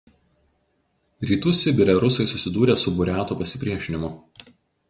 Rytų Sibire rusai susidūrė su buriatų pasipriešinimu.